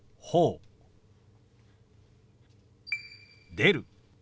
「出る」。